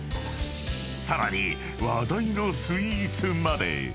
［さらに話題のスイーツまで］